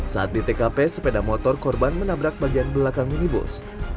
saat di tkp sepeda motor korban menabrak bagian belakang minibus